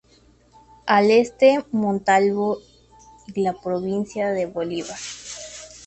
Al Este: Montalvo, y la provincia de Bolívar.